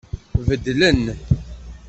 Beddlen.